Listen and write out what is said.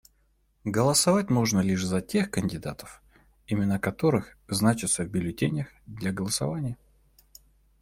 Голосовать можно лишь за тех кандидатов, имена которых значатся в бюллетенях для голосования.